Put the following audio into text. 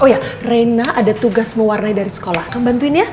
oh ya reina ada tugas mewarnai dari sekolah akan bantuin ya